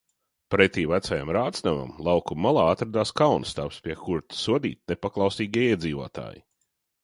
Pretī vecajam rātsnamam laukuma malā atradās Kauna stabs, pie kura sodīti nepaklausīgie iedzīvotāji.